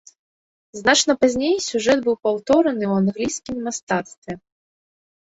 Значна пазней сюжэт быў паўтораны ў англійскім мастацтве.